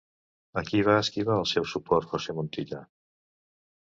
A qui va esquivar el seu suport José Montilla?